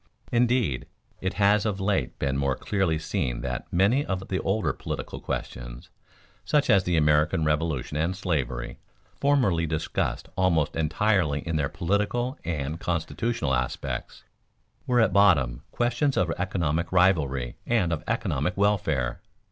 Indeed, it has of late been more clearly seen that many of the older political questions, such as the American Revolution and slavery, formerly discussed almost entirely in their political and constitutional aspects, were at bottom questions of economic rivalry and of economic welfare.